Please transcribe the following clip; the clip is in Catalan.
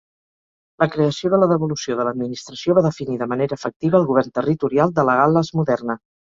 La creació de la devolució de l'administració va definir de manera efectiva el govern territorial de la Gal·les moderna.